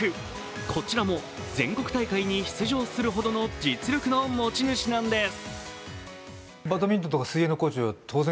こちらも全国大会に出場するほどの実力の持ち主なんです。